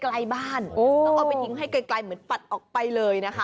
ใกล้บ้านต้องเอาไปทิ้งให้ไกลเหมือนปัดออกไปเลยนะคะ